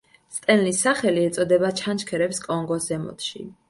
სტენლის სახელი ეწოდება ჩანჩქერებს კონგოს ზემოთში.